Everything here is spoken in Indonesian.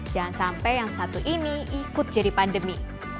jangan sampai yang satu ini ikut jadi pandemi